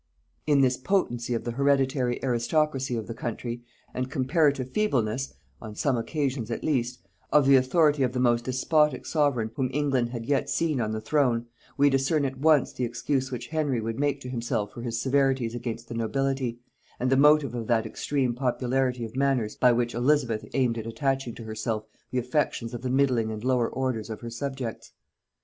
In this potency of the hereditary aristocracy of the country, and comparative feebleness, on some occasions at least, of the authority of the most despotic sovereign whom England had yet seen on the throne, we discern at once the excuse which Henry would make to himself for his severities against the nobility, and the motive of that extreme popularity of manners by which Elizabeth aimed at attaching to herself the affections of the middling and lower orders of her subjects.